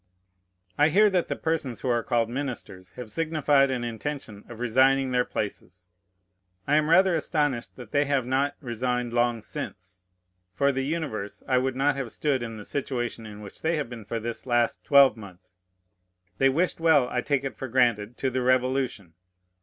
I hear that the persons who are called ministers have signified an intention of resigning their places. I am rather astonished that they have not resigned long since. For the universe I would not have stood in the situation in which they have been for this last twelvemonth. They wished well, I take it for granted, to the Revolution.